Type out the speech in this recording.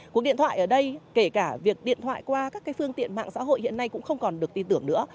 cuộc điện thoại ở đây kể cả việc điện thoại qua các phương tiện mạng xã hội hiện nay cũng không còn được tin tưởng nữa